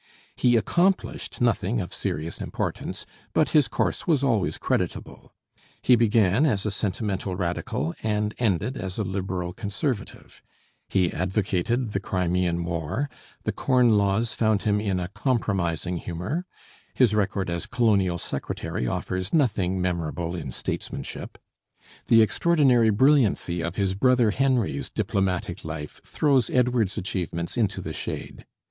He accomplished nothing of serious importance, but his course was always creditable: he began as a sentimental Radical and ended as a liberal Conservative; he advocated the Crimean War; the Corn Laws found him in a compromising humor; his record as Colonial Secretary offers nothing memorable in statesmanship. The extraordinary brilliancy of his brother Henry's diplomatic life throws Edward's achievements into the shade.